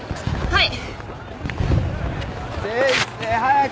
はい。